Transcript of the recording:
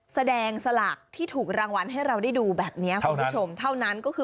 สลากที่ถูกรางวัลให้เราได้ดูแบบนี้คุณผู้ชมเท่านั้นก็คือ